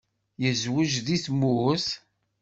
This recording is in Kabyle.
Tezweǧ deg tmurt?